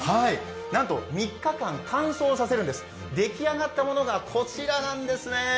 なんと３日間乾燥させるんです、出来上がったものがこちらなんですね。